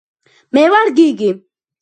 მე ვარ გიგი